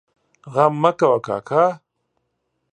غم مه کوه کاکا!